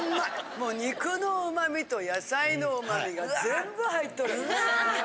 もう肉のうまみと野菜のうまみが全部入っとる。